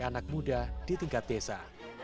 anak muda di tingkat desa